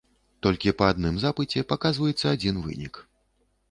Толькі па адным запыце паказваецца адзін вынік.